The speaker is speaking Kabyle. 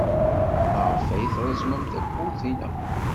Maɣef ay treẓmem tawwurt-inna?